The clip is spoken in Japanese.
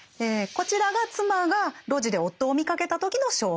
こちらが妻が路地で夫を見かけた時の証言。